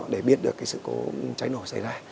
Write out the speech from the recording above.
để biết được cái sự cố cháy nổ xảy ra